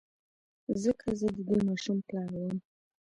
ځکه زه د دې ماشوم پلار وم.